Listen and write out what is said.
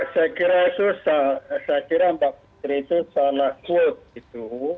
saya kira mbak putri itu sangat kuat